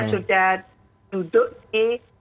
sudah duduk di